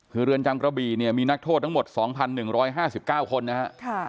คือเรือนจำกระบี่เนี่ยมีนักโทษทั้งหมด๒๑๕๙คนนะครับ